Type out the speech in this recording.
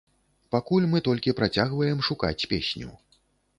Пакуль мы толькі працягваем шукаць песню.